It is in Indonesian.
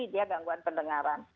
dia gangguan pendengaran